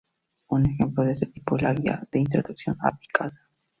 Un ejemplo de este tipo es la guía de introducción a "Picasa".